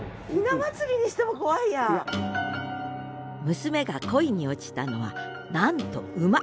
娘が恋に落ちたのはなんと馬。